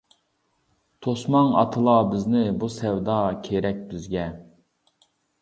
توسماڭ ئاتىلار بىزنى، بۇ سەۋدا كېرەك بىزگە.